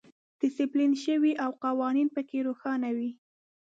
ډیسپلین شوی او قوانین پکې روښانه وي.